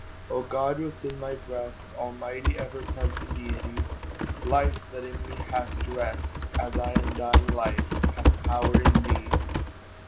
O God within my breast, Almighty, ever present Deity! Life that in me has rest, As I undying Life have power in thee!